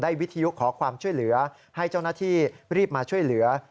วิทยุขอความช่วยเหลือให้เจ้าหน้าที่รีบมาช่วยเหลือ